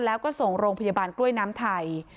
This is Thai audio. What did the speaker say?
แล้วก็ส่งโรงพยาบาลกล้วยน้ำไทย